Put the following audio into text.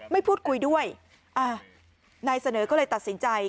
ไม่พูดคุยด้วยอ่านายเสนอก็เลยตัดสินใจ